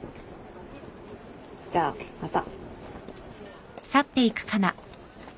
じゃあまた。